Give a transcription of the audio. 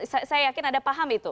saya yakin ada paham itu